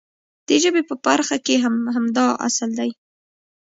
د ژبې په برخه کې هم همدا اصل دی.